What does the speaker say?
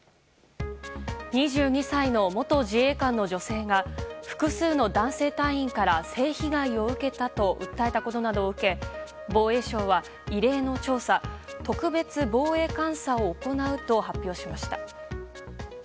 ２２歳の元自衛官の女性が複数の男性隊員から性被害を受けたと訴えたことなどを受け防衛省は、異例の調査特別防衛監査を行うと発表しました。